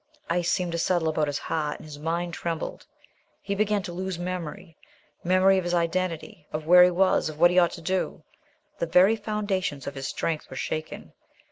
Ice seemed to settle about his heart, and his mind trembled. He began to lose memory memory of his identity, of where he was, of what he ought to do. The very foundations of his strength were shaken.